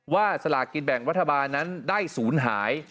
สลากกินแบ่งรัฐบาลนั้นได้ศูนย์หาย